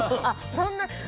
あっそんな。